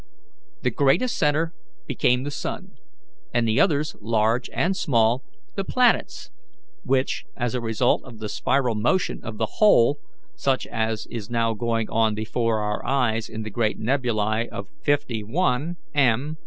The greatest centre became the sun, and the others, large and small, the planets, which as a result of the spiral motion of the whole, such as is now going on before our eyes in the great nebulae of fifty one M.